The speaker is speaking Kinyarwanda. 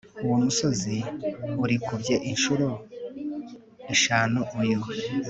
Uwo musozi urikubye inshuro eshanu uyu